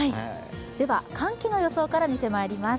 では、寒気の予想から見てまいります。